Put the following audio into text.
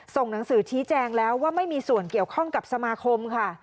หนังสือชี้แจงแล้วว่าไม่มีส่วนเกี่ยวข้องกับสมาคมค่ะ